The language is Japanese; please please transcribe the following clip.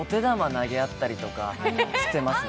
投げ合ったりもしてますね。